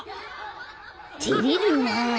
てれるなあ。